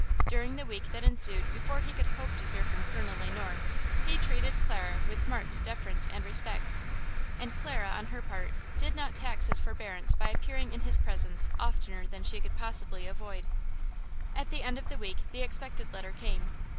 During the week that ensued before he could hope to hear from Colonel Le Noir, he treated Clara with marked deference and respect. And Clara, on her part, did not tax his forbearance by appearing in his presence oftener than she could possibly avoid. At the end of the week the expected letter came.